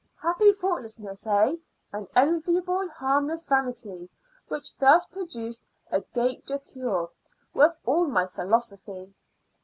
Happy thoughtlessness! ay, and enviable harmless vanity, which thus produced a gaité du cœur worth all my philosophy!